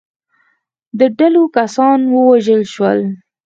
د ډلو کسان ووژل شول.